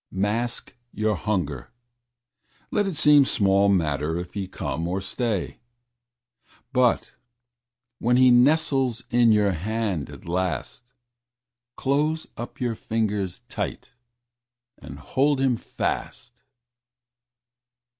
Mask your hunger; let it seem Small matter if he come or stay; But when he nestles in your hand at last, Close up your fingers tight and hold him fast.